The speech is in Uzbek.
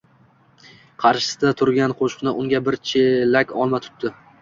Qarshisida turgan qoʻshni unga bir chelak olma tutdi.